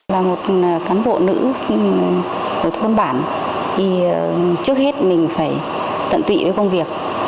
là một cán bộ nữ của thôn bản thì trước hết mình phải tận tụy với công việc